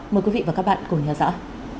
mời quý vị và các bạn cùng theo dõi